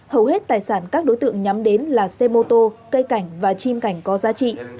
hầu hết tài sản các đối tượng nhắm đến là xe mô tô cây cảnh và chim cảnh có giá trị